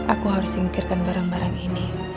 aku harus singkirkan barang barang ini